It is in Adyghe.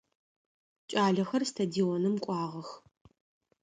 Кӏалэхэр стадионым кӏуагъэх.